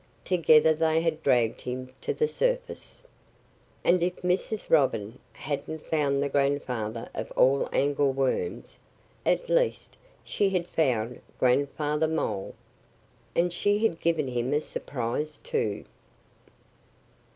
Together they had dragged him to the surface. And if Mrs. Robin hadn't found the grandfather of all angleworms, at least she had found Grandfather Mole. And she had given him a surprise, too.